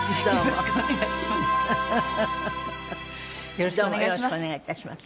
よろしくお願いします。